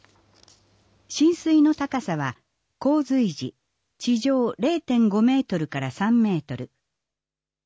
浸水の高さは洪水時、地上０．５メートルから３メートル。